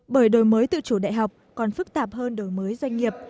bởi đổi mới tự chủ đại học còn phức tạp hơn đổi mới doanh nghiệp